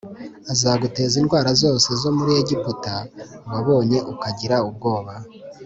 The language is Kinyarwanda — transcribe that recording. Azaguteza indwara zose zo muri Egiputa wabonye ukagira ubwoba,